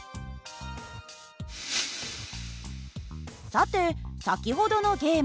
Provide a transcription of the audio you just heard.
さて先ほどのゲーム。